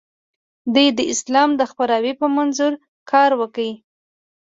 دوی د اسلام د خپراوي په منظور کار وکړ.